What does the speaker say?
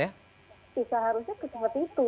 seharusnya seperti itu